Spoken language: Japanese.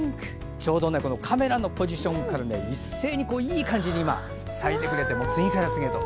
ちょうどカメラのポジションから一斉にいい感じに咲いてくれて、次から次へと。